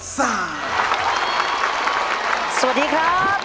สวัสดีครับ